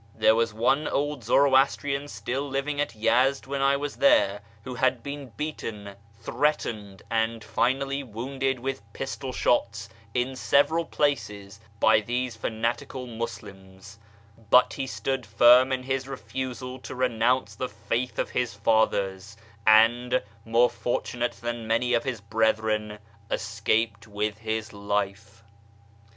There was one old Zoroastrian still livino at Yezd when I was there who had been beaten, threatened, and finally wounded with pistol shots in several places by these fanatical Muslims, but he stood firm in his refusal to renounce the faith of his fathers, and, more fortunate than many of his brethren, escaped with his life.